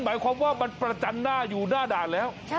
หมายความว่ามันประจันหน้าอยู่หน้าด่านแล้ว